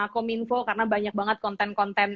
kominfo karena banyak banget konten konten